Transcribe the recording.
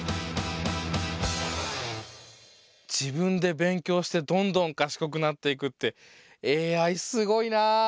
自分で勉強してどんどんかしこくなっていくってＡＩすごいなぁ！